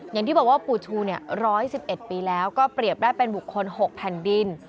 อย่างที่บอกว่าปู่ชู๑๑๑ปีแล้วก็เปรียบได้เป็นบุคคล๖แผ่นดิน